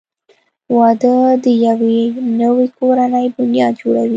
• واده د یوې نوې کورنۍ بنیاد جوړوي.